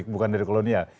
bukan dari kolonial